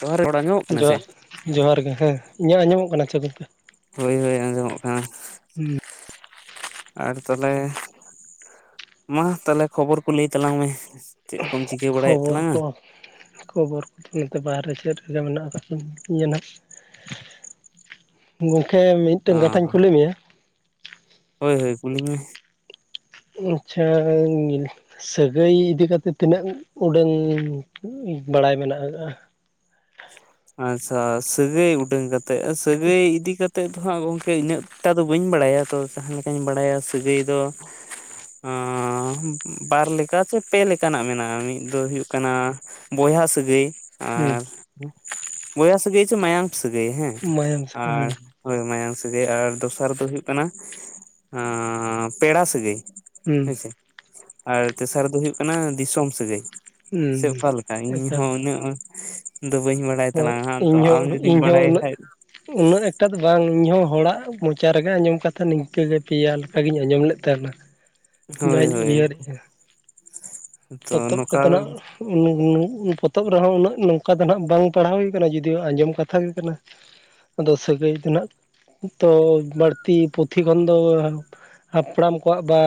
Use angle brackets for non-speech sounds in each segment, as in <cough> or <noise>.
ᱱᱚᱣᱟ ᱨᱮᱠᱚᱰ ᱟᱸᱡᱚᱢᱚᱜ ᱠᱟᱱᱟ ᱡᱚᱦᱟᱨ ᱥᱮ? ᱡᱚᱦᱟᱨ ᱜᱮ ᱦᱮᱸ ᱤᱧᱟᱹᱜ ᱟᱸᱡᱚᱢᱚᱜ ᱠᱟᱱᱟ ᱪᱮ ᱜᱚᱝᱠᱮ? ᱦᱳᱭ ᱦᱳᱭ ᱟᱸᱡᱚᱢᱚᱜ ᱠᱟᱱᱟ᱾ ᱦᱩᱸ᱾ ᱟᱨ ᱛᱟᱦᱮᱞᱮ ᱢᱟ ᱛᱟᱦᱮᱞᱮ ᱠᱷᱚᱵᱚᱨ ᱠᱚ ᱞᱟᱹᱭ ᱛᱟᱞᱟᱝ ᱢᱮ? ᱪᱮᱫ ᱠᱚᱢ ᱪᱤᱠᱟᱹ ᱵᱟᱲᱟᱭᱮᱫ ᱠᱷᱚᱵᱚᱨ ᱠᱚ, ᱛᱟᱞᱟᱝᱟ? ᱠᱷᱚᱵᱚᱨ ᱠᱚ ᱱᱚᱛᱮ ᱵᱟᱦᱨᱮ ᱥᱮᱫ ᱨᱮᱜᱮ ᱢᱮᱱᱟᱜ ᱟᱠᱟᱫ ᱫᱤᱧ ᱤᱧ ᱦᱚᱸ ᱱᱷᱟᱸᱜ᱾ <inaudible> ᱜᱚᱝᱠᱮ ᱚ ᱢᱤᱫᱴᱟᱝ ᱠᱟᱛᱷᱟᱧ ᱠᱩᱞᱤ ᱢᱮᱭᱟ? ᱦᱳᱭ ᱦᱳᱭ ᱠᱩᱞᱤᱧ ᱢᱮ, ᱟᱪᱪᱷᱟ ᱡᱤᱞ- ᱥᱟᱹᱜᱟᱹᱭ ᱤᱫᱤ ᱠᱟᱛᱮ ᱛᱤᱱᱟᱹᱜ ᱩᱰᱟᱹᱝ ᱮᱸ ᱵᱟᱲᱟᱭ ᱢᱮᱱᱟᱜᱼᱟ ᱟᱸ? ᱟᱪᱪᱷᱟ, ᱥᱟᱹᱜᱟᱹᱭ ᱩᱰᱟᱹᱝ ᱠᱟᱛᱮ, ᱟ ᱥᱟᱹᱜᱟᱹᱭ ᱤᱫᱤ ᱠᱟ- ᱛᱮᱫ ᱫᱚ ᱦᱟᱸᱜ ᱜᱚᱝᱠᱮ ᱤᱱᱟᱹᱜ ᱴᱟ ᱫᱚ ᱵᱟᱹᱧ ᱵᱟᱲᱟᱭᱟ ᱛᱚ ᱡᱟᱦᱟᱸ ᱞᱮᱠᱟᱧ ᱵᱟᱲᱟᱭᱟ ᱥᱟᱹᱜᱟᱹᱭ ᱫᱚ ᱟᱸᱻ ᱵᱟᱻᱵᱟᱨ ᱞᱮᱠᱟ ᱪᱮ ᱯᱮ ᱞᱮᱠᱟᱱᱟᱜ ᱢᱮᱱᱟᱜᱼᱟ ᱢᱤᱫ ᱫᱚ ᱦᱩᱭᱩᱜ ᱠᱟᱱᱟ ᱵᱚᱭᱦᱟ ᱥᱟᱹᱜᱟᱹᱭ, ᱦᱩᱸ᱾ <unintelligible> ᱵᱚᱭᱦᱟ ᱥᱟᱹᱜᱟᱹᱭ ᱪᱮ ᱢᱟᱭᱟᱝ ᱥᱟᱹᱜᱟᱹᱭ ᱦᱮᱸ, ᱢᱟᱭᱟᱢ ᱦᱩᱸ ᱟᱨ ᱦᱳᱭ ᱢᱟᱭᱟᱝ ᱥᱟᱹᱜᱟᱹᱭ ᱟᱨ ᱫᱚᱥᱟᱨ ᱫᱚ ᱦᱩᱭᱩᱜ ᱠᱟᱱᱟ, ᱟᱸ ᱯᱮᱲᱟ ᱥᱟᱹᱜᱟᱹᱭ᱾ ᱦᱩᱸ ᱦᱮᱸᱥᱮ, ᱟᱨ ᱛᱮᱥᱟᱨ ᱫᱚ ᱦᱩᱭᱩᱜ ᱠᱟᱱᱟ ᱫᱤᱥᱚᱢ ᱥᱟᱹᱜᱟᱹᱭ᱾ ᱥᱮ ᱦᱩᱸ ᱚᱠᱟᱞᱮᱠᱟ ᱤᱧ ᱮᱠᱟᱞ ᱦᱚᱸ ᱩᱱᱟᱹᱜ ᱫᱚ ᱵᱟᱹᱧ ᱵᱟᱰᱟᱭᱟ, ᱦᱳᱭ ᱤᱧᱦᱚᱸ ᱤᱧᱦᱚᱸ ᱩᱱᱟᱹᱜᱼᱼ ᱩᱱᱟᱹᱜ ᱮᱠᱴᱟ ᱫᱚ ᱵᱟᱝ ᱤᱧᱦᱚᱸ ᱦᱚᱲᱟᱜ ᱢᱚᱪᱟ ᱨᱮᱜᱮ ᱟᱸᱡᱚᱢ ᱠᱟᱛᱷᱟ ᱱᱤᱝᱠᱟᱹ ᱜᱮ ᱯᱮᱭᱟ ᱞᱮᱠᱟᱜᱤᱧ ᱟᱸᱡᱚᱢ ᱞᱮᱫ ᱛᱟᱦᱮᱸᱱᱟ᱾ ᱦᱳᱭ ᱡᱟᱧ ᱦᱳᱭ ᱩᱭᱦᱟᱹᱨᱮᱜ-ᱟ᱾ ᱛᱚ ᱯᱚᱛᱚᱵ ᱱᱚᱝᱠᱟ ᱠᱚᱫᱚ ᱱᱷᱟᱜᱼᱼ <unintelligible> ᱯᱚᱛᱚᱵ ᱨᱮᱦᱚᱸ ᱩᱱᱟᱹᱜ ᱱᱚᱝᱠᱟ ᱫᱚ ᱦᱟᱜ ᱵᱟᱝ ᱯᱟᱲᱦᱟᱣ ᱦᱩᱭ ᱠᱟᱱᱟ ᱡᱩᱫᱤᱭᱳ ᱟᱸᱡᱚᱢ ᱠᱟᱛᱷᱟ ᱜᱮ ᱠᱟᱱᱟ᱾ ᱟᱫᱚ ᱥᱟᱹᱜᱟᱹᱭ ᱫᱚ ᱱᱷᱟᱜᱼᱼ ᱛᱚ ᱵᱟᱹᱲᱛᱤ ᱯᱩᱛᱷᱤ ᱠᱷᱚᱱ ᱫᱚ ᱦᱟᱯᱲᱟᱢ ᱠᱚᱣᱟᱜ ᱵᱟᱼᱼ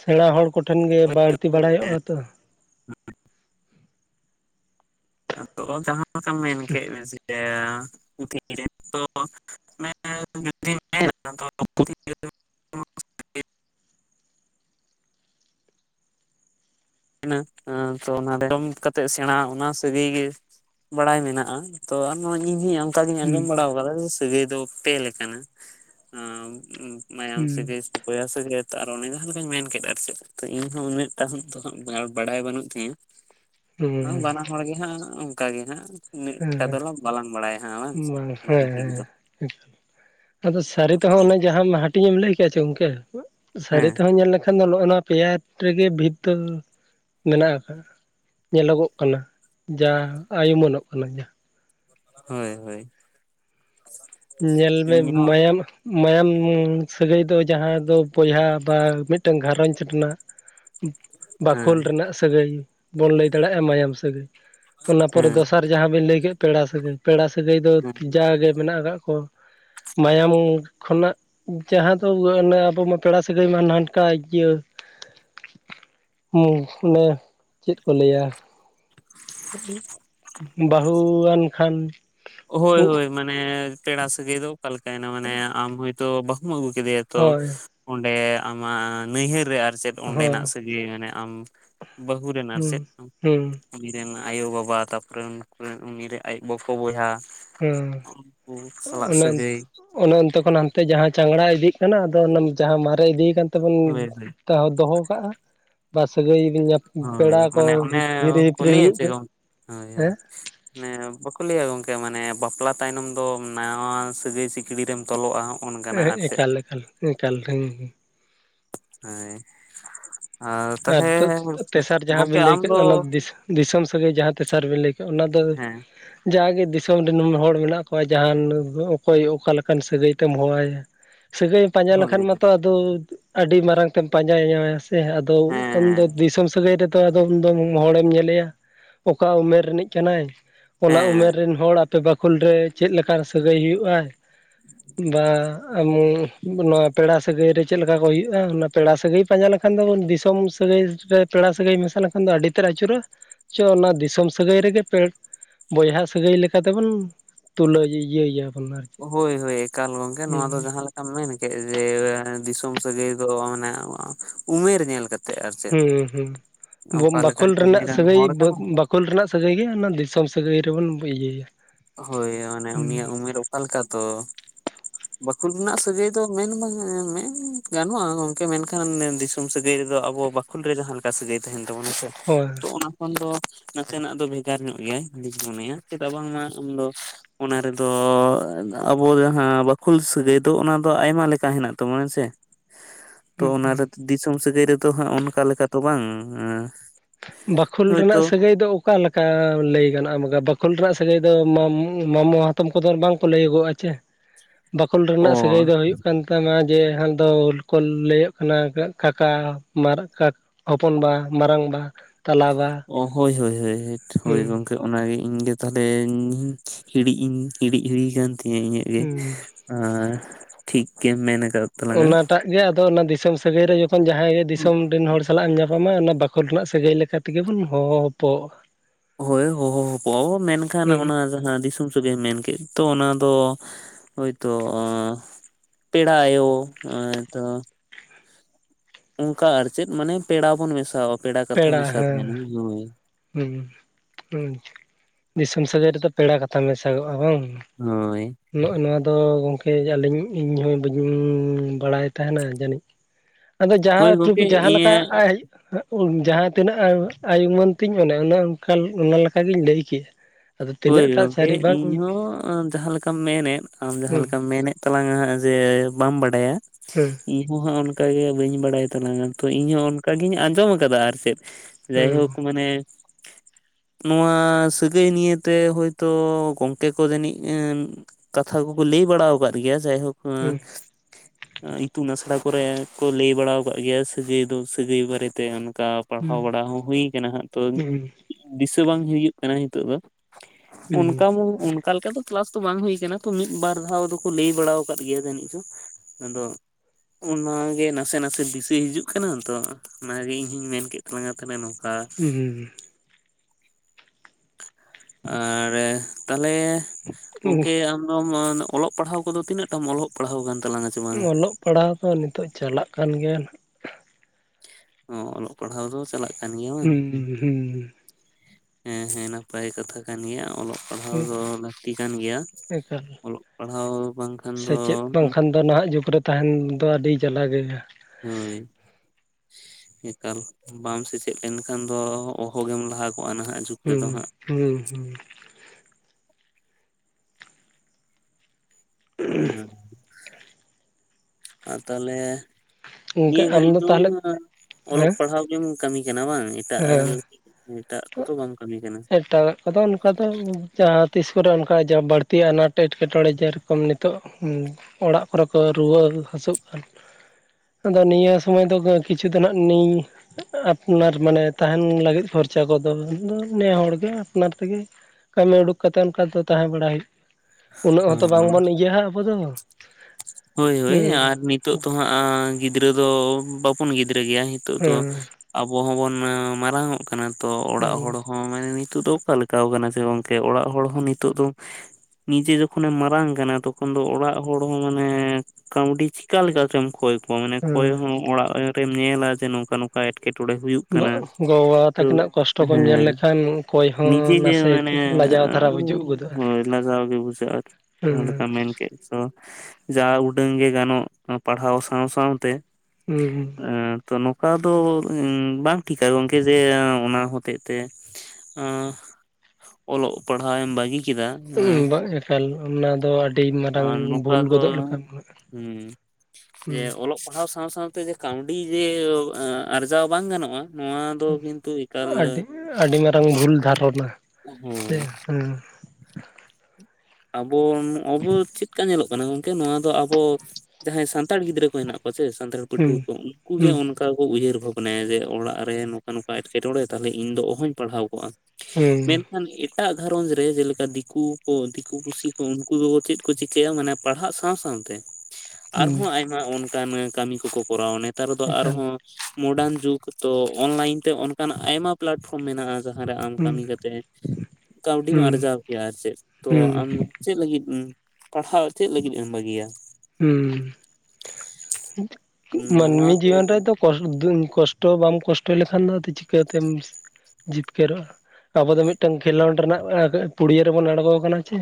ᱥᱮᱸᱬᱟ ᱦᱚᱲ ᱠᱚᱴᱷᱮᱱ ᱜᱮ ᱵᱟᱹᱲᱛᱤ ᱵᱟᱲᱟᱭᱚᱜ-ᱟ ᱛᱚ, ᱟᱫᱚ ᱡᱟᱦᱟᱸ ᱞᱮᱠᱟᱢ ᱢᱮᱱ ᱠᱮᱫ <inaudible> ᱡᱩᱫᱤ ᱤᱧ ᱨᱮᱱ ᱛᱚᱼᱼ <inaudible> ᱦᱮᱸᱱᱟ ᱛᱚ ᱚᱱᱟ ᱡᱚᱢ ᱠᱟᱛᱮᱜ ᱥᱮᱸᱬᱟ ᱚᱱᱟ ᱥᱟᱹᱜᱟᱹᱭ ᱜᱮᱼᱼ ᱵᱟᱲᱟᱭ ᱢᱮᱱᱟᱜ-ᱟ ᱛᱚ ᱟᱢ ᱱᱚᱣᱟ ᱤᱧ ᱦᱤᱸᱼᱼ ᱠᱟ ᱜᱮᱧ ᱦᱩᱸ ᱟᱸᱡᱚᱢ ᱵᱟᱲᱟᱣ ᱠᱟᱫᱟ ᱡᱮ ᱥᱟᱹᱜᱟᱹᱭ ᱫᱚ ᱯᱮ ᱞᱮᱠᱟᱱᱟ᱾ ᱟᱸᱼᱼ ᱢᱟᱭᱟᱢ ᱦᱩᱸ ᱥᱟᱹᱜᱟᱹᱭ ᱥᱮ ᱵᱚᱭᱦᱟ ᱥᱟᱹᱜᱟᱹᱭ ᱛᱟᱨ ᱚᱱᱮ ᱡᱟᱦᱟᱸ ᱞᱮᱠᱟᱧ ᱢᱮᱱ ᱠᱮᱫ ᱟᱨ ᱪᱮᱫ ᱛᱚ ᱤᱧᱦᱚᱸ ᱩᱱᱟᱹᱜ ᱴᱟᱦᱤᱸᱡ ᱫᱚᱼᱼ ᱦᱟᱸᱜ ᱵᱟᱰᱟᱭ ᱵᱟᱹᱱᱩᱜ ᱛᱤᱧᱟᱹ ᱦᱩᱸ ᱟᱸ ᱵᱟᱱᱟ ᱦᱚᱲ ᱜᱮ ᱦᱟᱸᱜ ᱚᱱᱠᱟ ᱜᱮ ᱦᱟᱸᱜᱼᱼ ᱩᱱᱟᱹᱜ ᱴᱟ ᱦᱮᱸ ᱫᱚᱞᱟᱝ ᱵᱟᱞᱟᱝ ᱵᱟᱲᱟᱭᱟ᱾ ᱦᱟᱸᱜ ᱥᱮ ᱵᱟᱝ ᱵᱷᱟᱜᱤ ᱴᱷᱤᱠ ᱥᱮ-ᱦᱮᱸ ᱫᱚ ᱟᱫᱚ ᱥᱟᱹᱨᱤ ᱛᱮᱦᱚᱸ ᱚᱱᱮ ᱡᱟᱦᱟᱸᱢ ᱦᱟᱹᱴᱤᱧ ᱮᱢ ᱞᱟᱹᱭ ᱠᱮᱜᱟ ᱪᱮ ᱜᱚᱝᱠᱮᱼᱼ ᱥᱟᱹᱨᱤ ᱦᱮᱸ ᱛᱮᱦᱚᱸ ᱧᱮᱞ ᱞᱮᱠᱷᱟᱱ ᱫᱚ ᱱᱚᱜ-ᱚ ᱱᱚᱣᱟ ᱯᱮᱭᱟ ᱨᱮᱜᱮ ᱵᱷᱤᱛᱟᱹ ᱫᱚ ᱢᱮᱱᱟᱜ ᱟᱠᱟᱜ-ᱟ᱾ ᱧᱮᱞᱚᱜᱚᱜ ᱠᱟᱱᱟ, ᱡᱟ ᱟᱭᱩᱢᱟᱹᱱᱚᱜ ᱠᱟᱱᱟ ᱡᱟ, ᱦᱳᱭ-ᱦᱳᱭᱼᱼ ᱧᱮᱞ ᱢᱮ ᱢᱟᱭᱟᱢᱼᱼ ᱢᱟᱭᱟᱢ ᱩᱸᱢᱻ ᱥᱟᱹᱜᱟᱹᱭ ᱫᱚ ᱡᱟᱦᱟᱸ ᱫᱚ ᱵᱚᱭᱦᱟ ᱵᱟ ᱢᱤᱫᱴᱟᱹᱝ ᱜᱷᱟᱨᱚᱸᱡᱽ ᱨᱮᱱᱟᱜᱼᱼ <unintelligible> ᱵᱟᱠᱷᱩᱞ ᱦᱮᱸ ᱨᱮᱱᱟᱜ ᱥᱟᱹᱜᱟᱹᱭ ᱵᱚᱱ ᱞᱟᱹᱭ ᱫᱟᱲᱮᱭᱟᱜ-ᱟ ᱢᱟᱭᱟᱢ ᱥᱟᱹᱜᱟᱹᱭ, ᱚᱱᱟ ᱯᱚᱨᱮ ᱦᱮᱸ ᱫᱚᱥᱟᱨᱼᱼ ᱡᱟᱦᱟᱸ ᱵᱤᱱ ᱞᱟᱹᱭ ᱠᱮᱫ ᱯᱮᱲᱟ ᱥᱟᱹᱜᱟᱹᱭ ᱯᱮᱲᱟ ᱥᱟᱹᱜᱟᱹᱭ ᱫᱚ ᱦᱮᱸ ᱡᱟᱜᱮ ᱢᱮᱱᱟᱜ ᱟᱠᱟᱜ ᱠᱚᱼᱼ ᱢᱟᱭᱟᱢ ᱠᱷᱚᱱᱟᱜᱼᱼ ᱡᱟᱦᱟᱸ ᱫᱚ ᱚᱱᱮ ᱟᱵᱚ ᱢᱟ ᱯᱮᱲᱟ ᱥᱟᱹᱜᱟᱹᱭ ᱢᱟ ᱱᱷᱟᱱᱠᱟ ᱤᱭᱟᱹᱼᱼ <unintelligible> ᱚᱱᱮ ᱪᱮᱫ ᱠᱚ ᱞᱟᱹᱭᱟᱼᱼ <unintelligible> ᱵᱟᱹᱦᱩᱻ ᱟᱱ ᱠᱷᱟᱱᱼᱼ ᱦᱳᱭ-ᱦᱳᱭ ᱢᱟᱱᱮ ᱯᱮᱲᱟ ᱥᱟᱹᱜᱟᱹᱭ ᱫᱚ ᱚᱠᱟ ᱞᱮᱠᱟᱭᱮᱱᱟ ᱢᱟᱱᱮ ᱟᱢ ᱦᱚᱭᱛᱳ ᱵᱟᱹᱦᱩᱢ ᱟᱹᱜᱩ ᱠᱮᱫᱮᱭᱟᱼᱼ ᱛᱚ ᱦᱳᱭ ᱚᱸᱰᱮ ᱟᱢᱟᱜ ᱱᱟᱹᱭᱦᱟᱹᱨ ᱨᱮ ᱟᱨ ᱪᱮᱫ ᱦᱳᱭ ᱚᱸᱰᱮᱱᱟᱜ ᱥᱟᱹᱜᱟᱹᱭ ᱢᱟᱱᱮ ᱟᱢᱼᱼ ᱵᱟᱹᱦᱩ ᱨᱮᱱᱟᱜ ᱦᱩᱸ ᱥᱮᱜ-ᱟᱢᱚᱼᱼ ᱦᱩᱸ ᱩᱱᱤ ᱨᱮᱱ ᱟᱭᱳ-ᱵᱟᱵᱟ ᱛᱟᱯᱚᱨᱮ ᱩᱱᱠᱩ ᱨᱮᱱ ᱩᱱᱤ ᱨᱮᱱ ᱟᱡ ᱵᱚᱠᱚ ᱵᱚᱭᱦᱟᱼᱼ ᱦᱩᱸ ᱩᱱᱠᱩ ᱥᱟᱞᱟᱜ ᱚᱱᱮ ᱚᱱᱛᱮ ᱥᱟᱹᱜᱟᱹᱭᱼᱼ ᱚᱱᱮ ᱚᱱᱛᱮ ᱠᱷᱚᱱ ᱦᱟᱱᱛᱮ ᱡᱟᱦᱟᱸ ᱪᱟᱝᱲᱟ ᱤᱫᱤᱜ ᱠᱟᱱᱟ ᱟᱫᱚ ᱚᱱᱟ ᱡᱟᱦᱟᱸ ᱢᱟᱨᱮ ᱤᱫᱤ ᱠᱟᱱ ᱛᱮᱵᱚᱱᱼᱼ ᱦᱳᱭ ᱦᱳᱭ ᱛᱮᱦᱚᱸ ᱫᱚᱦᱚ ᱠᱟᱜ-ᱟ, ᱵᱟ ᱥᱟᱹᱜᱟᱹᱭᱼᱼ ᱦᱚᱸ ᱜᱮ ᱢᱟᱱᱮ ᱚᱱᱮ ᱠᱚ ᱦᱤᱯᱤᱨᱤ ᱞᱟᱹᱭ ᱦᱩᱭᱩᱜ ᱟᱥᱮ ᱠᱟᱱ ᱵᱟᱝ <inaudible> ᱢᱟᱱᱮ ᱵᱟᱠᱚ ᱞᱟᱹᱭᱟ ᱜᱚᱝᱠᱮ ᱢᱟᱱᱮ ᱵᱟᱯᱞᱟ ᱛᱟᱭᱱᱚᱢ ᱫᱚ ᱢᱟᱱᱮ ᱚᱸ ᱥᱟᱹᱜᱟᱹᱭ ᱥᱤᱠᱼᱼ ᱥᱤᱠᱲᱤᱨᱮᱢ ᱛᱚᱞᱚᱜ-ᱟ ᱚᱝᱠᱟ ᱱᱟᱜ ᱟᱨ ᱪᱮᱫ᱾ ᱮ ᱠᱟᱞᱠᱟᱧᱼᱼ ᱦᱟᱭᱼᱼ ᱟᱨᱫᱚ ᱛᱮᱥᱟᱨ ᱡᱟᱦᱟᱸ ᱵᱤᱱ ᱞᱟᱹᱭ ᱟᱢ ᱠᱟᱫ ᱫᱚ ᱚᱱᱟ ᱫᱤᱥᱚᱢ ᱫᱤᱥᱚᱢ ᱥᱟᱹᱜᱟᱹᱭ ᱡᱟᱦᱟᱸ ᱛᱮᱥᱟᱨ ᱵᱤᱱ ᱞᱟᱹᱭ ᱠᱟᱫ ᱚᱱᱟ ᱫᱚ ᱦᱮᱸ ᱡᱟᱜᱮ ᱫᱤᱥᱚᱢ ᱨᱮᱱ ᱦᱚᱲ ᱢᱮᱱᱟᱜ ᱠᱚᱣᱟ ᱡᱟᱦᱟᱱ ᱚᱠᱚᱭ ᱚᱠᱟ ᱞᱮᱠᱟᱱ ᱥᱟᱹᱜᱟᱹᱭ ᱛᱮᱢ ᱦᱚᱦᱚ ᱟᱭᱟ᱾ ᱥᱟᱹᱜᱟᱹᱭ ᱮᱢ ᱯᱟᱸᱡᱟ ᱦᱳᱭ ᱞᱮᱠᱷᱟᱱ ᱢᱟᱛᱚ ᱟᱫᱚ ᱟᱹᱰᱤ ᱢᱟᱨᱟᱝ ᱛᱮᱢ ᱯᱟᱸᱡᱟᱭᱟ ᱥᱮ ᱛᱚ ᱟᱢ ᱦᱮᱸ ᱫᱚ ᱫᱤᱥᱚᱢ ᱥᱟᱹᱜᱟᱹᱭ ᱨᱮᱫᱚ ᱟᱫᱚᱢ ᱦᱚᱲᱮᱢ ᱧᱮᱞᱮᱜ-ᱟ᱾ ᱚᱠᱟ ᱩᱢᱮᱨ ᱨᱤᱱᱤᱡ ᱠᱟᱱᱟᱭ ᱚᱱᱟ ᱩᱢᱮᱨ ᱦᱮᱸ ᱨᱮᱱ ᱦᱚᱲ ᱟᱯᱮ ᱵᱟᱠᱷᱳᱞ ᱨᱮ ᱪᱮᱫ ᱞᱮᱠᱟᱱ ᱥᱟᱹᱜᱟᱹᱭ ᱦᱩᱭᱩᱜ-ᱟ᱾ ᱵᱟ ᱮᱢ ᱱᱚᱣᱟ ᱯᱮᱲᱟ ᱥᱟᱹᱜᱟᱹᱭ ᱨᱮ ᱪᱮᱫ ᱞᱮᱠᱟ ᱠᱚ ᱦᱩᱭᱩᱜ-ᱟ ᱚᱱᱟ ᱯᱮᱲᱟ ᱥᱟᱹᱜᱟᱹᱭ ᱯᱟᱸᱡᱟ ᱞᱮᱠᱷᱟᱱ ᱫᱚ ᱫᱤᱥᱚᱢ ᱥᱟᱹᱜᱟᱹᱭ ᱨᱮ ᱯᱮᱲᱟ ᱥᱟᱹᱜᱟᱹᱭ ᱢᱮᱥᱟ ᱞᱮᱠᱷᱟᱱ ᱫᱚ ᱟᱹᱰᱤ ᱛᱮᱫ ᱟᱹᱪᱩᱨᱚᱜ-ᱟ᱾ ᱪᱚ ᱚᱱᱟ ᱫᱤᱥᱚᱢ ᱥᱟᱹᱜᱟᱹᱭ ᱨᱮᱜᱮ ᱯᱮ ᱵᱚᱭᱦᱟ ᱥᱟᱹᱜᱟᱹᱭ ᱞᱮᱠᱟ ᱞᱮᱠᱟᱛᱮᱵᱚᱱ ᱛᱩᱞᱟᱹᱣ ᱤᱭᱟᱹᱭᱟᱵᱚᱱ ᱟᱨᱠᱤ ᱦᱳᱭ ᱦᱳᱭ ᱮᱠᱟᱞ ᱜᱚᱢᱠᱮ ᱱᱚᱣᱟ ᱫᱚ ᱡᱟᱦᱟᱸ ᱞᱮᱠᱟ ᱢᱮᱱ ᱠᱮᱫ-ᱟ ᱡᱮ ᱫᱤᱥᱚᱢ ᱥᱟᱹᱜᱟᱹᱭ ᱫᱚ ᱢᱟᱱᱮ ᱩᱢᱮᱨ ᱧᱮᱞ ᱠᱟᱛᱮ ᱦᱩᱸ ᱦᱩᱸ ᱞᱮᱠᱟᱱ ᱵᱟᱠᱷᱳᱞ ᱨᱮᱱᱟᱜ ᱩᱢᱮᱨᱟᱱ ᱥᱟᱹᱜᱟᱹᱭ ᱦᱚᱲ ᱠᱟᱱᱟᱭ ᱵᱟ ᱠᱷᱳᱞ ᱨᱮᱱᱟᱜ ᱥᱟᱹᱜᱟᱹᱭ ᱜᱮ ᱚᱱᱟ ᱫᱤᱥᱚᱢ ᱥᱟᱹᱜᱟᱹᱭ ᱨᱮᱵᱚᱱ ᱤᱭᱟᱹᱭᱟ ᱦᱳᱭ ᱟᱱᱮ ᱦᱩᱸ ᱩᱱᱤᱭᱟᱜ ᱩᱢᱮᱨ ᱚᱠᱟ ᱞᱮᱠᱟ ᱛᱚ ᱵᱟᱠᱷᱳᱞ ᱨᱮᱱᱟᱜ ᱥᱟᱹᱜᱟᱹᱭ ᱫᱚ ᱢᱮᱱ ᱵᱟᱝ ᱢᱮᱱ ᱜᱟᱱᱚᱜ-ᱟ ᱜᱚᱢᱠᱮ ᱢᱮᱱᱠᱷᱟᱱ ᱫᱤᱥᱚᱢ ᱥᱤᱛᱩᱝ ᱥᱟᱹᱜᱟᱹᱭ ᱨᱮᱫᱚ ᱟᱵᱚ ᱵᱟᱠᱷᱳᱞ ᱨᱮ ᱡᱟᱦᱟᱸ ᱞᱮᱠᱟ ᱥᱟᱹᱜᱟᱹᱭ ᱛᱟᱦᱮᱱ ᱛᱟᱵᱚᱱᱟ ᱥᱮ ᱦᱳᱭ ᱛᱚ ᱚᱱᱟ ᱛᱚᱠᱷᱚᱱ ᱫᱚ ᱱᱟᱥᱮᱱᱟᱜ ᱫᱚ ᱵᱷᱮᱜᱟᱨ ᱧᱚᱜ ᱜᱮᱭᱟ ᱢᱚᱱᱮᱭᱟ ᱪᱮᱫᱟᱜ ᱵᱟᱝᱢᱟ ᱟᱢᱫᱚ ᱚᱱᱟ ᱨᱮᱫᱚ ᱟᱵᱚ ᱡᱟᱦᱟᱸ ᱵᱟᱠᱷᱳᱞ ᱥᱟᱹᱜᱟᱹᱭ ᱫᱚ ᱚᱱᱟ ᱫᱚ ᱟᱭᱢᱟ ᱞᱮᱠᱟ ᱦᱮᱱᱟᱜ ᱛᱟᱵᱚᱱᱟ ᱦᱮᱸᱥᱮ <inaudible> ᱛᱚ ᱚᱱᱟᱨᱮ ᱦᱩᱸ ᱫᱤᱥᱚᱢ ᱥᱟᱹᱜᱟᱹᱭ ᱨᱮᱫᱚ ᱦᱟᱸᱜ ᱚᱱᱠᱟ ᱞᱮᱠᱟ ᱛᱚ ᱵᱟᱝ ᱵᱟᱠᱷᱳᱞ ᱦᱳᱭᱛᱳ ᱨᱮᱱᱟᱜ ᱥᱟᱹᱜᱟᱹᱭ ᱫᱚ ᱚᱠᱟ ᱚᱠᱟᱞᱮᱠᱟ ᱞᱟᱹᱭ ᱜᱟᱱᱚᱜ-ᱟᱠᱟ ᱵᱟᱠᱷᱳᱞ ᱨᱮᱱᱟᱜ ᱥᱟᱹᱜᱟᱹᱭ ᱫᱚ ᱢᱟᱢᱚ ᱦᱟᱛᱚᱢ ᱠᱚᱫᱚ ᱵᱟᱝᱠᱚ ᱞᱟᱹᱭᱟᱹᱜᱚᱜ-ᱟ ᱪᱮ ᱵᱟᱠᱷᱳᱞ ᱨᱮᱱᱟᱜ ᱚ ᱥᱟᱹᱜᱟᱹᱭ ᱫᱚ ᱦᱩᱭᱩᱜ ᱠᱟᱱ ᱛᱟᱢᱟ ᱡᱮ ᱦᱟᱱ ᱫᱚ ᱠᱚ ᱞᱟᱹᱭᱚᱜ ᱠᱟᱱᱟ ᱠᱟᱠᱟ ᱢᱟᱨᱟᱜ ᱠᱟ ᱦᱚᱯᱚᱱ ᱵᱟ, ᱢᱟᱨᱟᱝ ᱵᱟ, ᱛᱟᱞᱟ ᱵᱟ, ᱚ ᱦᱳᱭ ᱦᱳᱭ ᱦᱳᱭ ᱦᱳᱭ ᱦᱩᱸ ᱜᱚᱝᱠᱮ ᱚᱱᱟᱜᱮ ᱤᱧ ᱫᱚ ᱛᱟᱦᱞᱮ ᱦᱤᱲᱤᱡ ᱤᱧ ᱦᱤᱲᱤᱡ ᱦᱤᱲᱤᱡ ᱟᱠᱟᱱ ᱛᱤᱧᱟᱹ ᱤᱧᱟᱹᱜ ᱜᱮ ᱦᱩᱸ ᱟᱣ ᱴᱷᱤᱠ ᱜᱮᱢ ᱢᱮᱱᱠᱟᱫ ᱚᱱᱟᱴᱟᱜ ᱜᱮ ᱟᱫᱚ ᱚᱱᱟ ᱫᱤᱥᱚᱢ ᱥᱟᱹᱜᱟᱹᱭ ᱨᱮ ᱡᱚᱠᱷᱚᱱ ᱡᱟᱦᱟᱸᱭ ᱜᱮ ᱫᱤᱥᱚᱢ ᱨᱮᱱ ᱦᱚᱲ ᱥᱟᱞᱟᱜ ᱮᱢ ᱧᱟᱯᱟᱢᱟ ᱚᱱᱟ ᱵᱟ ᱠᱷᱚᱞ ᱨᱮᱱᱟᱜ ᱥᱟᱹᱜᱟᱹᱭ ᱞᱮᱠᱟ ᱛᱮᱜᱮ ᱵᱚᱱ ᱦᱚᱦᱚᱯᱚᱜᱚᱜ-ᱟ᱾ ᱦᱳᱭ ᱢᱮᱱᱠᱷᱟᱱ ᱦᱩᱸ ᱚᱱᱟ ᱡᱟᱦᱟᱸ ᱫᱤᱥᱚᱢ ᱥᱟᱹᱜᱟᱹᱭ ᱢᱮᱱ ᱠᱮ ᱛᱚ ᱚᱱᱟ ᱫᱚ ᱦᱳᱭᱛᱳ ᱯᱮᱲᱟ ᱟᱭᱳ ᱦᱚᱭ ᱛᱚ ᱚᱱᱠᱟ ᱟᱨ ᱪᱮᱫ ᱢᱟᱱᱮ ᱯᱮᱲᱟ ᱵᱚᱱ ᱢᱮᱥᱟᱣᱟ ᱠᱟᱛᱷᱟ ᱯᱮᱲᱟ ᱢᱮᱥᱟ ᱛᱟᱦᱮᱱᱟ ᱦᱮᱸ ᱦᱳᱭ ᱦᱩᱸ ᱫᱤᱥᱚᱢ ᱥᱟᱹᱜᱟᱹᱭ ᱨᱮᱛᱚ ᱯᱮᱲᱟ ᱠᱟᱛᱷᱟ ᱢᱮᱥᱟᱜᱚᱜ-ᱟ ᱵᱟᱝ ᱦᱳᱭ ᱱᱚᱜ-ᱚᱭ ᱱᱚᱣᱟ ᱫᱚ ᱜᱚᱝᱠᱮ ᱟᱹᱞᱤᱧ ᱤᱧ ᱦᱚᱸ ᱵᱟᱹᱧ ᱵᱟᱲᱟᱭ ᱛᱟᱦᱮᱱᱟ ᱡᱟᱹᱱᱤᱡ ᱟᱫᱚ ᱡᱟᱦᱟᱸ ᱦᱳᱭ ᱴᱷᱤᱠ ᱜᱚᱝᱠᱮ ᱡᱟᱦᱟᱸᱞᱮᱠᱟ ᱤᱭᱟᱹ ᱟᱡ ᱡᱟᱦᱟᱸ ᱛᱤᱱᱟᱹᱜ ᱟᱭᱩᱢᱟᱹᱱ ᱛᱤᱧ ᱢᱚᱱᱮ ᱚᱱᱠᱟ ᱚᱱᱟ ᱞᱮᱠᱟᱜᱤᱧ ᱞᱟᱹᱭ ᱠᱮᱭᱟ᱾ ᱦᱳᱭ ᱜᱚᱝᱠᱮ ᱤᱧᱦᱚᱸ ᱡᱟᱦᱟᱸ ᱞᱮᱠᱟᱢ ᱢᱮᱱᱮᱫ ᱟᱢ ᱡᱟᱦᱟᱸ ᱦᱩᱸ ᱞᱮᱠᱟᱢ ᱢᱮᱱᱮᱫ ᱛᱟᱞᱟᱝ ᱟ ᱡᱮ ᱵᱟᱢ ᱵᱟᱰᱟᱭᱟ ᱦᱮᱸ ᱤᱧ ᱦᱚᱸ ᱦᱟᱸᱜ ᱚᱱᱠᱟ ᱜᱮ ᱵᱟᱹᱧ ᱵᱟᱲᱟᱭ ᱛᱟᱞᱟᱝᱟ ᱛᱚ ᱤᱧ ᱦᱚᱸ ᱚᱱᱠᱟᱜᱤᱧ ᱟᱸᱡᱚᱢ ᱟᱠᱟᱫᱟ ᱟᱨ ᱪᱮᱫ ᱦᱩᱸ ᱡᱟᱭᱦᱳᱠ ᱢᱟᱱᱮ ᱱᱚᱣᱟ ᱥᱟᱹᱜᱟᱹᱭ ᱱᱤᱭᱟᱹ ᱛᱮ ᱦᱳᱭᱛᱳ ᱜᱚᱝᱠᱮ ᱠᱚ ᱡᱟᱹᱱᱤᱡ ᱠᱟᱛᱷᱟ ᱠᱚᱠᱚ ᱞᱟᱹᱭ ᱵᱟᱲᱟ ᱟᱠᱟᱫ ᱜᱮᱭᱟ ᱡᱟᱭᱦᱳᱠ ᱵᱟᱝ ᱦᱩᱸ ᱟᱸᱡᱚᱢ ᱴᱷᱤᱠᱟᱹᱜ ᱠᱟᱱᱟ ᱤᱛᱩᱱ ᱟᱥᱲᱟ ᱠᱚᱨᱮ ᱠᱚ ᱞᱟᱹᱭ ᱵᱟᱲᱟ ᱟᱠᱟᱫ ᱜᱮᱭᱟ ᱥᱟᱹᱜᱟᱹᱭ ᱫᱚ ᱥᱟᱹᱜᱟᱹᱭ ᱵᱟᱨᱮᱛᱮ ᱚᱱᱠᱟ ᱯᱟᱲᱦᱟᱣ ᱦᱩᱸ ᱵᱟᱲᱟ ᱦᱚᱸ ᱦᱩᱭ ᱠᱟᱱᱟ ᱦᱟᱸᱜ ᱛᱚ ᱫᱤᱥᱟᱹ ᱵᱟᱝ ᱦᱩᱭᱩᱜ ᱠᱟᱱᱟ ᱱᱤᱛᱚᱜ ᱫᱚ ᱦᱩᱸ ᱦᱩᱸ ᱩᱱᱠᱟ ᱢᱩ ᱠᱟᱞᱠᱟ ᱫᱚ ᱠᱮᱞᱟᱥ ᱫᱚ ᱵᱟᱝ ᱦᱩᱭ ᱟᱠᱟᱱᱟ ᱛᱚ ᱢᱤᱫ ᱵᱟᱨ ᱫᱷᱟᱣ ᱫᱚᱠᱚ ᱞᱟᱹᱭ ᱵᱟᱲᱟ ᱟᱠᱟᱫ ᱜᱮᱭᱟ ᱡᱟᱹᱱᱤᱡᱚ ᱟᱫᱚ ᱚᱱᱟ ᱜᱮ ᱱᱟᱥᱮ-ᱱᱟᱥᱮ ᱫᱤᱥᱟᱹ ᱦᱤᱡᱩᱜ ᱠᱟᱱᱟ ᱛᱚ ᱚᱱᱟᱜᱮ ᱤᱧ ᱦᱚ‌ᱧ ᱢᱮᱱ ᱠᱮᱫ ᱛᱟᱞᱟᱝᱟ ᱛᱟᱦᱮ ᱱᱚᱝ ᱟᱥ ᱦᱩᱸ ᱟᱨ ᱛᱟᱦᱚᱞᱮ ᱜᱚᱝᱠᱮ ᱟᱢᱫᱚᱢ ᱚᱞᱚᱜ ᱯᱟᱲᱦᱟᱣ ᱠᱚᱫᱚ ᱛᱤᱱᱟᱹᱜ ᱴᱟᱢ ᱚᱞᱚᱜ ᱯᱟᱲᱦᱟᱣ ᱠᱟᱱ ᱛᱟᱞᱟᱝ-ᱟ? ᱪᱮ ᱵᱟᱝᱟ? ᱚᱞᱚᱜ ᱯᱟᱲᱦᱟᱣ ᱫᱚ ᱱᱤᱛᱚᱜ ᱪᱟᱞᱟᱜ ᱠᱟᱱ ᱜᱮᱭᱟ ᱱᱟᱦᱟᱜ ᱚ ᱚᱞᱚᱜ ᱯᱟᱲᱦᱟᱣ ᱫᱚ ᱪᱟᱞᱟᱜ ᱠᱟᱱ ᱜᱮᱭᱟ ᱵᱟᱝ ᱦᱩᱸ ᱦᱩᱸ ᱦᱮᱸᱻ ᱦᱮᱸᱻ ᱱᱟᱯᱟᱭ ᱠᱟᱛᱷᱟ ᱠᱟᱱ ᱜᱮᱭᱟ ᱚᱞᱚᱜ ᱯᱟᱲᱦᱟᱣ ᱫᱚ ᱞᱟᱹᱠᱛᱤ ᱠᱟᱱ ᱜᱮᱭᱟ ᱮᱠᱟᱞ ᱚᱞᱚᱜ ᱯᱟᱲᱦᱟᱣ ᱵᱟᱝᱠᱷᱟᱱ ᱫᱚ ᱟᱫᱚ ᱱᱟᱦᱟᱜ ᱡᱩᱜᱽ ᱨᱮ ᱛᱟᱦᱮᱱ ᱫᱚ ᱟᱹᱰᱤ ᱡᱟᱞᱟ ᱜᱮᱭᱟ ᱦᱳᱭ ᱮᱠᱟᱞ ᱵᱟᱢ ᱥᱮᱪᱮᱫ ᱞᱮᱱᱠᱷᱟᱱ ᱫᱚ ᱚᱦᱚᱜᱮᱢ ᱞᱟᱦᱟ ᱠᱚᱜᱼᱟ ᱱᱟᱦᱟᱜ ᱡᱩᱜ ᱦᱩᱸ-ᱦᱩᱸ ᱦᱸᱻ ᱟᱨ ᱛᱟᱦᱚᱞᱮ ᱜᱚᱝᱠᱮ ᱱᱤᱭᱟᱹ ᱟᱢ ᱜᱷᱟᱹᱲᱤᱡ ᱫᱚ ᱛᱟᱦᱚᱞᱮ ᱚᱞᱚᱜ ᱦᱮᱸ ᱯᱟᱲᱦᱟᱣ ᱜᱮᱢ ᱠᱟᱹᱢᱤ ᱠᱟᱱᱟ ᱵᱟᱝ ᱮᱴᱟᱜ ᱦᱮᱸ ᱮᱴᱟᱜ ᱠᱚᱫᱚ ᱵᱟᱢ ᱠᱟᱹᱢᱤ ᱠᱟᱱᱟ ᱮᱴᱟᱜᱟᱜ ᱠᱚᱫᱚ ᱚᱱᱠᱟ ᱫᱚ ᱡᱟᱦᱟᱸ ᱛᱤᱥ ᱠᱚᱨᱮ ᱚᱱᱠᱟ ᱡᱟᱦᱟᱸ ᱵᱟᱹᱲᱛᱤ ᱟᱱᱟᱴ ᱮᱴᱠᱮᱴᱚᱬᱮ ᱡᱮᱨᱚᱠᱚᱢ ᱱᱤᱛᱚᱜ ᱚᱲᱟᱜ ᱠᱚᱨᱮ ᱠᱚ ᱨᱩᱣᱟᱹ ᱦᱟᱹᱥᱩᱜ ᱠᱟᱱ ᱟᱫᱚ ᱱᱤᱭᱟᱹ ᱥᱩᱚᱢᱚᱭ ᱫᱚ ᱠᱤᱪᱷᱩ ᱫᱚ ᱱᱟᱜ ᱱᱤᱭᱟ. ᱟᱯᱱᱟᱨ ᱢᱟᱱᱮ ᱛᱟᱦᱮᱱ ᱞᱟᱹᱜᱤᱫ ᱠᱷᱚᱨ ᱪᱟ ᱠᱚᱫᱚ ᱱᱮᱦᱚᱲᱜᱮ ᱟᱯᱱᱟᱨ ᱛᱮᱜᱮ ᱠᱟᱹᱢᱤ ᱩᱰᱩᱠ ᱠᱟᱛᱮ ᱚᱱᱠᱟ ᱫᱚ ᱛᱟᱦᱮᱸ ᱵᱟᱲᱟᱟᱭ ᱦᱩᱭᱩᱜ ᱠᱟᱱᱟ ᱾ ᱩᱱᱟᱹᱜ ᱦᱚᱸᱛᱚ ᱦᱚᱸ ᱵᱟᱝᱵᱚᱱ ᱤᱭᱟᱹ ᱦᱟ ᱟᱵᱚ ᱫᱚ, ᱦᱳᱭ-ᱦᱳᱭ ᱟᱨ ᱱᱤᱛᱚᱜ ᱫᱚ ᱦᱟᱸᱜ ᱜᱤᱫᱽᱨᱟᱹ ᱫᱚ ᱵᱟᱵᱚᱱ ᱜᱤᱫᱽᱨᱟᱹ ᱜᱮᱭᱟ ᱾ ᱱᱤᱛᱚᱜ ᱫᱚ ᱦᱩᱸ ᱟᱵᱚ ᱦᱚᱸᱵᱚᱱ ᱢᱟᱨᱟᱝ ᱚᱜ ᱠᱟᱱᱟ ᱛᱚ ᱚᱲᱟᱜ ᱦᱚᱲ ᱦᱩᱸ ᱦᱚᱸ, ᱢᱟᱱᱮ ᱱᱤᱛᱚᱜ ᱫᱚ ᱚᱠᱟ ᱞᱮᱱᱟ ᱠᱟᱱᱟ ᱥᱮ ᱜᱚᱝᱠᱮ ᱚᱲᱟᱜ ᱦᱚᱲ ᱦᱚᱸ ᱱᱤᱛᱚᱜ ᱫᱚ ᱾ ᱱᱤᱡᱮ ᱡᱚᱠᱷᱚᱱᱮ ᱢᱟᱨᱟᱝ ᱠᱟᱱᱟ ᱛᱚᱠᱷᱚᱱ ᱫᱚ ᱚᱲᱟᱜ ᱦᱚᱲ ᱦᱚᱸ ᱢᱟᱱᱮ, ᱮᱸ ᱠᱟᱹᱣᱰᱤ ᱪᱮᱠᱟ ᱞᱮᱠᱟᱛᱮᱢ ᱠᱚᱭ ᱠᱚᱣᱟ ᱢᱟᱱᱮ ᱠᱚᱭ ᱦᱩᱸ ᱦᱚᱸ ᱚᱲᱟᱜ ᱨᱮᱢ ᱧᱮᱞᱟ ᱡᱮ ᱱᱚᱝᱠᱟ-ᱱᱚᱝᱠᱟ, ᱚᱠᱟ ᱮᱸᱴᱠᱮᱴᱚᱬᱮ ᱦᱩᱭᱩᱜ ᱜᱚ ᱠᱟᱱᱟ ᱵᱟᱵᱟ ᱛᱚ ᱛᱟᱹᱠᱤᱱᱟᱜ ᱠᱚᱥᱴᱚ ᱠᱚᱢ ᱧᱮᱞ ᱦᱮᱸ ᱞᱮᱠᱷᱟᱱ ᱚᱠᱚᱭ ᱾ ᱱᱤᱡᱮ ᱦᱚᱸ ᱜᱮ ᱱᱟᱥᱮ ᱢᱟᱱᱮ ᱞᱟᱡᱟᱣ ᱫᱷᱟᱨᱟ ᱵᱩᱡᱩᱜ ᱜᱚᱫᱚᱜᱼᱟ ᱞᱟᱡᱟᱣ ᱜᱮ ᱵᱩᱡᱚᱜᱼᱟ ᱾ ᱦᱩᱸ ᱡᱟᱦᱟᱸ ᱞᱮᱠᱟ ᱢᱮᱱ ᱠᱮᱫ ᱾ ᱛᱚ ᱡᱟ ᱩᱰᱟᱹᱝ ᱜᱮ ᱜᱟᱱᱚᱜ ᱯᱟᱲᱦᱟᱣ ᱥᱟᱶ-ᱥᱟᱶᱛᱮ, ᱦᱩᱸ-ᱦᱩᱸ ᱾ ᱮ ᱛᱚ ᱱᱚᱝᱠᱟ ᱫᱚ ᱵᱟᱝ ᱴᱷᱤᱠᱟ ᱜᱚᱢᱠᱮ ᱡᱮ ᱚᱱᱟ ᱦᱚᱛᱮᱜ ᱛᱮ, ᱚᱞᱚᱜ ᱯᱟᱲᱦᱟᱣᱢ ᱵᱟᱹᱜᱤ ᱠᱮᱫᱟ ᱾ ᱩ ᱵᱟᱝ ᱮᱠᱟᱞ ᱚᱱᱟ ᱫᱚ ᱟᱹᱰᱤ, ᱟᱨ ᱢᱟᱨᱟᱝ ᱱᱚᱝᱠᱟ ᱵᱷᱩᱞ ᱫᱚ ᱜᱚᱫᱚᱜ ᱞᱮᱠᱟ ᱢᱮᱱᱟᱜᱼᱟ ᱦᱮ ᱡᱮ ᱦᱩᱸ ᱚᱞᱚᱜ ᱯᱟᱲᱦᱟᱣ ᱥᱟᱶ-ᱥᱟᱶᱛᱮ ᱾ ᱠᱟᱹᱣᱰᱤ ᱡᱮ ᱟᱨᱡᱟᱣ ᱵᱟᱝ ᱜᱟᱱᱚᱜᱼᱟ? ᱱᱚᱣᱟ ᱫᱚ ᱠᱤᱱᱛᱩ ᱮᱠᱟᱞ ᱟᱹᱰᱤ ᱟᱹᱰᱤ ᱢᱟᱨᱟᱝ ᱵᱷᱩᱞ ᱫᱷᱟᱨᱚᱱᱟ ᱥᱮ ᱦᱳᱭ ᱦᱮᱸ ᱟᱵᱚ ᱟᱵᱚ ᱪᱮᱫᱮ ᱧᱮᱞᱚᱜ ᱠᱟᱱᱟ ᱜᱚᱝᱠᱮ ᱱᱚᱣᱟ ᱫᱚ ᱟᱵᱚ ᱡᱟᱦᱟᱸᱭ ᱥᱟᱱᱛᱟᱲ ᱜᱤᱫᱽᱨᱟᱹ ᱠᱚ ᱦᱮᱱᱟᱜ ᱯᱟᱪᱮ ᱥᱟᱱᱛᱟᱲ ᱦᱩᱸ ᱯᱟᱹᱴᱷᱩᱣᱟᱹ ᱠᱚ ᱩᱱᱠᱩ ᱜᱮ ᱦᱩᱸ ᱚᱱ ᱝᱠᱟ ᱠᱚ ᱩᱭᱦᱟᱹᱨ ᱵᱷᱟᱵᱽᱱᱟᱭᱟ ᱡᱮ ᱚᱲᱟᱜ ᱨᱮ ᱱᱚᱝᱠᱟ ᱱᱚᱝᱠᱟ ᱮᱴᱠᱮᱴᱚᱬᱮ ᱛᱟᱦᱚᱞᱮ ᱤᱧ ᱫᱚ ᱚᱦᱚᱧ ᱯᱟᱲᱦᱟᱣ ᱠᱚᱜᱼᱟ ᱾ ᱦᱮᱸ ᱾ ᱟᱱ ᱮᱴᱟᱜ ᱜᱷᱟᱨᱚᱡᱽ ᱨᱮ ᱡᱮᱞᱮᱠᱟ ᱫᱤᱠᱩ ᱠᱚ ᱫᱤᱠ ᱯᱩᱥᱤ ᱫᱚ ᱩᱱᱠᱩ ᱫᱚ ᱪᱮᱫ ᱠᱚ ᱪᱤᱠᱟᱹᱭᱟ ᱢᱟᱱᱮ ᱯᱟᱲᱦᱟᱜ ᱥᱟᱶ ᱥᱟᱶᱛᱮ ᱦᱩᱸ ᱟᱨᱦᱚᱸ ᱟᱭ ᱢᱟ ᱚᱱᱠᱟᱱ ᱠᱟᱹᱢᱤ ᱠᱚᱠᱚ ᱠᱚᱨᱟᱣᱟ ᱱᱮᱛᱟᱨ ᱫᱚ ᱮᱠᱟᱞ ᱟᱨᱦᱚᱸ ᱢᱚᱰᱱ ᱡᱩᱜ ᱛᱚ ᱚᱱᱞᱟᱭᱤᱱ ᱛᱮ ᱚᱱᱠᱟᱱ ᱟᱭᱢᱟ ᱯᱞᱟᱴᱯᱷᱚᱨᱚᱢ ᱢᱮᱱᱟᱜᱼᱟ ᱾ ᱡᱟᱦᱟᱸᱨᱮ ᱟᱢ ᱦᱩᱸ ᱠᱟᱹᱢᱤ ᱠᱟᱛᱮ ᱠᱟᱹᱣᱰᱤᱢ ᱦᱩᱸ ᱟᱨᱡᱟᱣ ᱠᱮᱭᱟ ᱟᱨ ᱪᱮᱫ ᱛᱚ ᱦᱩᱸ ᱟᱢ ᱪᱮᱫ ᱞᱟᱹᱜᱤᱫ ᱮᱢ ᱯᱟᱲᱦᱟᱣ ᱪᱮᱫ ᱞᱟᱹᱜᱤᱫ ᱮᱢ ᱵᱟᱹᱜᱤᱭᱟ ᱾ ᱦᱩᱸ ᱱᱚᱣᱟ ᱢᱟᱹᱱᱢᱤ ᱫᱚ ᱡᱤᱵᱚᱱ ᱨᱮᱫᱚ ᱠᱚᱥᱴᱚ ᱵᱟᱢ ᱠᱚᱥᱴᱚ ᱞᱮᱠᱷᱟᱱ ᱫᱚ ᱪᱤᱠᱟᱹᱛᱮᱢ ᱡᱤᱛᱠᱟᱹᱨᱚᱜᱼᱟ ᱾ ᱟᱵᱚ ᱫᱚ ᱢᱤᱫᱴᱟᱝ ᱠᱷᱮᱞᱳᱰ ᱨᱮᱱᱟᱜ ᱯᱩᱲᱤᱭᱟᱹ ᱨᱮᱵᱚᱱ ᱟᱬᱜᱚ ᱟᱠᱟᱱᱟ ᱥᱮ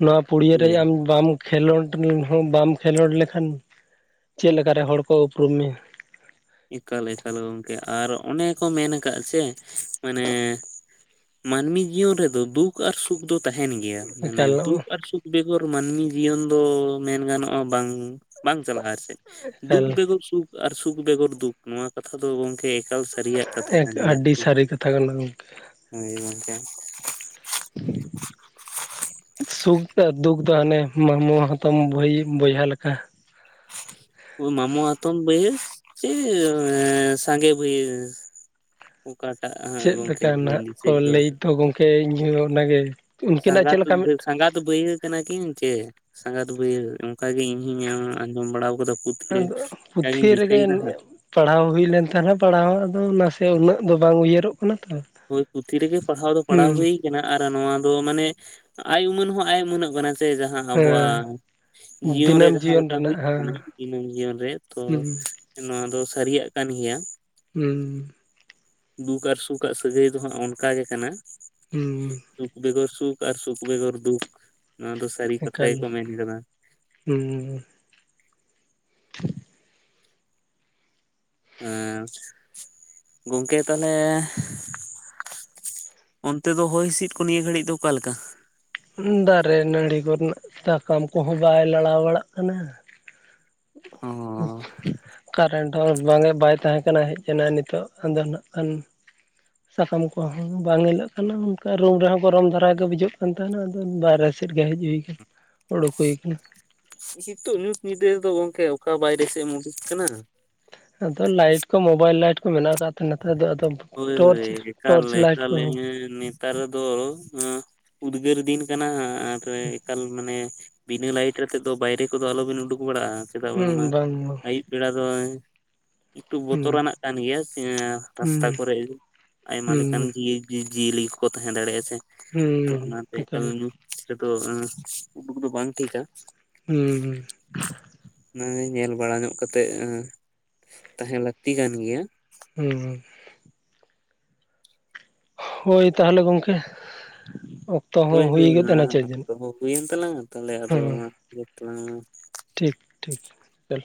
ᱱᱚᱣᱟ ᱯᱲᱤᱭᱟᱹ ᱨᱮ ᱟᱢ ᱵᱟᱢ ᱠᱷᱮᱞᱳᱰ ᱞᱮᱱ ᱦᱚᱸ ᱵᱟᱢ ᱠᱷᱮᱞᱳᱰ ᱞᱮᱠᱷᱟᱱ ᱪᱮᱫᱠᱟᱨᱮ ᱦᱚᱲ ᱠᱚ ᱩᱯᱨᱩᱢ ᱢᱮ ᱾ ᱮᱠᱟᱞ ᱮᱠᱟᱞ ᱜᱚᱝᱠᱮ ᱟᱨ ᱚᱱᱮ ᱠᱚ ᱢᱮᱱ ᱟᱠᱟᱫ ᱥᱮ ᱢᱟᱱᱮ ᱢᱟᱹᱱᱢᱤ ᱡᱤᱭᱚᱱ ᱨᱮᱫᱚ ᱫᱩᱠ ᱟᱨ ᱥᱩᱠ ᱫᱚ ᱛᱟᱦᱮᱱ ᱜᱮᱭᱟ, ‌ᱢᱟᱱᱮ ᱮᱠᱟᱞ ᱫᱩᱠ ᱟᱨ ᱥᱩᱠ ᱵᱮᱜᱚᱨ ᱢᱟᱹᱱᱢᱤ ᱡᱤᱭᱚᱱ ᱫᱚ ᱢᱮᱱ ᱜᱟᱱᱚᱜᱼᱟ ᱵᱟᱝ ᱵᱟᱝ ᱪᱟᱞᱟᱜᱼᱟ ᱟᱨᱠᱤ ᱾ ᱫᱩᱠ ᱮᱠᱟᱞ ᱵᱮᱜᱚᱨ ᱥᱩᱠ ᱟᱨ ᱥᱩᱠ ᱵᱮᱜᱚᱨ ᱫᱩᱠ ᱱᱚᱣᱟ ᱠᱟᱛᱷᱟ ᱫᱚ ᱜᱚᱝᱠᱮ ᱮᱠᱟᱞ ᱥᱟᱹᱨᱤᱭᱟᱜ ᱠᱟᱛᱷᱟ ᱮᱠ ᱠᱟᱱ ᱜᱮᱭᱟ ᱟᱹᱰᱤ ᱥᱟᱹᱨᱤ ᱠᱟᱛᱷᱟ ᱠᱟᱱᱟ ᱜᱚᱝᱠᱮ ᱾ ᱦᱳᱭ ᱜᱚᱝᱠᱮ ᱾ <inaudible> ᱥᱩᱠ ᱟᱨ ᱫᱩᱠ ᱫᱚ ᱦᱟᱱᱮ ᱢᱟᱢᱳ ᱦᱟᱛᱚᱢ ᱵᱟᱭ ᱵᱚᱭᱦᱟ ᱞᱮᱠᱟ ᱾ <inaudible> ᱢᱟᱢᱩ ᱦᱟᱛᱚᱢ ᱵᱦ ᱪ ᱥᱟᱜᱮ ᱵᱦ ᱚᱠᱟᱴᱟᱜ ᱦᱟᱸᱜ ᱜᱚᱝᱠᱮ ᱵᱟᱹᱧ ᱫᱤᱥᱟ ᱮᱫ ᱫᱚ? ᱛᱚ ᱜᱚᱝᱠᱮ ᱤᱧᱦᱚᱸ ᱚᱱᱟᱜᱮ ᱩᱱᱠᱤᱱᱟᱜ ᱥᱜᱟᱛ ᱪᱮᱫ ᱞᱮᱠᱟ ᱢᱤᱫᱴᱟᱝ ᱥᱜᱟᱛ ᱵᱟᱹᱭ ᱠᱟᱱᱟ ᱠᱤᱱ ᱪᱮ ᱥᱟᱸᱜᱟᱛ ᱵᱟᱹᱭᱦ ᱚᱱᱠᱟ ᱜᱮ ᱤᱧ ᱦᱚᱧ ᱟᱸᱡᱚᱢ ᱵᱟᱲᱟ ᱟᱠᱟᱫᱟ ᱾ ᱟᱫᱚ ᱯᱩᱛᱷᱤ ᱨᱮᱜᱮ ᱯᱟᱲᱦᱟᱣ ᱦᱩᱭ ᱞᱮᱱ ᱛᱟᱦᱮᱱᱟ ᱯᱟᱲᱦᱟᱣ ᱟᱫᱚ ᱱᱟᱥᱮ ᱩᱱᱟᱹᱜ ᱫᱚ ᱵᱟᱝ ᱩᱭᱦᱟᱹᱨᱚᱜ ᱠᱟᱱᱟ ᱛᱚ ᱾ ᱦᱳᱭ ᱯᱛᱷᱤ ᱨᱮᱜᱮ ᱯᱟᱲᱦᱟᱣ ᱫᱚ ᱯᱟᱲᱟᱣ ᱦᱩᱭ ᱟᱨ ᱱᱚᱣᱟ ᱫᱚ ᱢᱟᱱᱮ ᱟᱭ ᱩᱢᱟᱹᱱ ᱦᱚᱸ ᱟᱭ ᱩᱢᱟᱹᱱᱟᱜ ᱠᱟᱱᱟ ᱡᱮ ᱡᱟᱦᱟᱸ ᱦᱮᱸ ᱟᱵᱚᱣᱟᱜ ᱡᱤᱭᱚᱱ ᱨᱮ ᱫᱤᱱᱟᱹᱢ ᱡᱟᱦᱟᱸ ᱡᱤᱭᱚᱱ ᱞᱮᱠᱟ ᱨᱮᱱᱟᱜ ᱦᱩᱭᱩᱜ ᱠᱟᱱᱟ ᱦᱮᱸ ᱫᱤᱱᱟᱹᱢ ᱡᱤᱭᱚᱱ ᱨᱮ ᱛᱚ ᱦᱩᱸ ᱱᱚᱶᱟ ᱫᱚ ᱥᱟᱹᱨᱤᱭᱟᱜ ᱠᱟᱱ ᱜᱮᱭᱟ᱾ ᱩᱸ ᱫᱩᱠ ᱟᱨ ᱥᱩᱠᱟᱜ ᱥᱟᱹᱜᱟᱹᱭ ᱫᱚ ᱦᱟᱸᱜ ᱚᱱᱠᱟ ᱜᱮ ᱠᱟᱱᱟ᱾ ᱚᱩᱸ ᱫᱩᱠ ᱵᱮᱜᱚᱨ ᱥᱩᱠ ᱟᱨ ᱥᱩᱠ ᱵᱮᱜᱚᱨ ᱫᱩᱠ ᱱᱚᱶᱟ ᱫᱚ ᱥᱟᱹᱨᱤ ᱠᱟᱛᱷᱟ ᱜᱮᱠᱚ ᱢᱮᱱ ᱟᱠᱟᱫᱟ᱾ ᱩᱸ ᱮᱸᱪ ᱜᱚᱝᱠᱮ ᱛᱟᱦᱚᱞᱮ ᱚᱱᱛᱮ ᱫᱚ ᱦᱚᱭ ᱦᱤᱸᱥᱤᱫ ᱠᱚ ᱱᱤᱭᱟᱹ ᱜᱷᱟᱹᱲᱤᱡ ᱫᱚ ᱚᱠᱟ ᱞᱮᱠᱟ? ᱫᱟᱨᱮ ᱱᱟᱹᱲᱤ ᱠᱚ ᱨᱮᱱᱟᱜ ᱥᱟᱠᱟᱢ ᱠᱚᱦᱚᱸ ᱵᱟᱭ ᱞᱟᱲᱟᱣ ᱵᱟᱲᱟᱜ ᱠᱟᱱᱟ᱾ ᱚᱸᱦᱚᱸ ᱠᱟᱨᱮᱱᱴ ᱦᱚᱸ ᱵᱟᱝᱮ ᱵᱟᱭ ᱛᱟᱦᱮᱸ ᱠᱟᱱᱟ ᱦᱮᱡ ᱮᱱᱟ ᱱᱤᱛᱚᱜ ᱟᱱᱫᱷᱮ ᱨᱮᱱᱟᱜ ᱠᱟᱱ ᱥᱟᱠᱟᱢ ᱠᱚᱦᱚᱸ ᱵᱟᱝ ᱧᱮᱞᱚᱜ ᱠᱟᱱᱟ, ᱚᱱᱠᱟ ᱨᱩᱢ ᱨᱮᱦᱚᱸ ᱜᱚᱨᱚᱢ ᱫᱷᱟᱨᱟ ᱜᱮ ᱵᱩᱡᱷᱟᱹᱜ ᱠᱟᱱ ᱛᱟᱦᱮᱱᱟ ᱟᱫᱚ ᱵᱟᱨᱦᱮ ᱥᱮᱫ ᱜᱮ ᱦᱟᱹᱡᱩᱜ ᱦᱩᱭᱠᱟᱱ ᱚᱰᱩᱠ ᱦᱩᱭ ᱠᱟᱱᱟ᱾ ᱱᱤᱛᱚᱜ ᱧᱩᱛ ᱧᱤᱸᱫᱟ ᱫᱚ ᱜᱚᱝᱠᱮ ᱚᱠᱟ ᱵᱟᱭᱨᱮ ᱥᱮᱜ ᱮᱢ ᱩᱰᱩᱠ ᱠᱟᱱᱟ, ᱟᱫᱚ ᱞᱟᱭᱤᱴ ᱠᱚ ᱢᱳᱵᱟᱭᱤᱞ ᱞᱟᱭᱤᱴ ᱠᱚ ᱢᱮᱱᱟᱜ ᱟᱠᱟᱫ ᱛᱟᱦᱮᱸᱱᱟ ᱛᱚ ᱟᱫᱚ, ᱦᱳᱭ ᱦᱳᱭ ᱴᱚᱨᱪ ᱮᱠᱟᱞ ᱴᱚᱨᱪ ᱞᱟᱭᱤᱴ ᱱᱮᱝᱠᱟ ᱞᱟᱹᱭ ᱠᱚᱦᱚᱸ ᱢᱮ ᱱᱤᱛ, ᱱᱮᱛᱟᱨ ᱫᱚ ᱟᱸ ᱩᱫᱽᱜᱟᱹᱨ ᱫᱤᱱ ᱠᱟᱱᱟ ᱟᱨ ᱮᱠᱟᱞ ᱢᱟᱱᱮ, ᱵᱤᱱᱟᱹ ᱞᱟᱭᱤᱴ ᱟᱛᱮᱫ ᱫᱚ ᱵᱟᱭᱨᱮ ᱠᱚᱫᱚ ᱟᱞᱚᱵᱤᱱ ᱩᱰᱩᱠ ᱵᱟᱲᱟᱜᱼᱟ ᱪᱮᱫᱟᱜ ᱵᱟᱝᱢᱟ ᱦᱩᱸ ᱵᱟᱝ ᱵᱟᱝ ᱟᱹᱭᱩᱵ ᱵᱮᱲᱟ ᱫᱚ, ᱮᱴᱩᱠ ᱦᱩᱸ ᱵᱚᱛᱚᱨᱟᱱᱟᱜ ᱠᱟᱱ ᱜᱮᱭᱟ ᱥᱮᱸ ᱦᱩᱸ ᱨᱟᱥᱛᱟ ᱠᱚᱨᱮ ᱟᱭᱢᱟ ᱦᱩᱸ ᱞᱮᱠᱟᱱ ᱜᱤ, ᱡᱤᱵᱽ ᱡᱤᱭᱟᱹᱞᱤ ᱠᱚ ᱛᱟᱦᱮᱸ ᱫᱟᱲᱮᱭᱟᱜᱼᱟ ᱥᱮ ᱛᱚ ᱦᱩᱸ ᱚᱱᱟᱛᱮ ᱚᱠᱟ ᱮᱠᱟᱞ ᱧᱩ, ᱨᱮᱫᱚ ᱩᱰᱩᱠ ᱫᱚ ᱵᱟᱝ ᱴᱷᱤᱠᱟ᱾ ᱦᱩᱸ ᱦᱩᱸ, ᱚᱱᱟ ᱧᱮᱞ ᱵᱟᱲᱟ ᱧᱚᱜ ᱠᱟᱛᱮᱫ ᱟᱸ ᱛᱟᱦᱮᱸ ᱞᱟᱹᱠᱛᱤ ᱠᱟᱱ ᱜᱮᱭᱟ᱾ ᱦᱩᱸ ᱦᱩᱸ, ᱦᱳᱭ ᱛᱟᱦᱚᱞᱮ ᱜᱚᱝᱠᱮ ᱚᱜ ᱦᱳᱭ ᱦᱳᱭ ᱢᱟ ᱚᱠᱛᱚ ᱦᱚᱸ ᱦᱩᱭᱮᱱ ᱛᱟᱞᱟᱝᱟ ᱛᱟᱦᱚᱞᱮ ᱟᱫᱚ ᱦᱮᱸ ᱢᱟ ᱢᱩᱪᱮᱫᱽ ᱛᱟᱞᱟᱝ ᱢᱮ᱾ ᱴᱷᱤᱠ ᱴᱷᱤᱠ ᱪᱚᱞ᱾